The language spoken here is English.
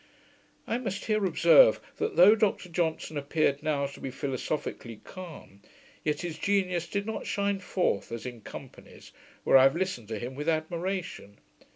I must here observe, that though Dr Johnson appeared now to be philosophically calm, yet his genius did not shine forth as in companies, where I have listened to him with admiration.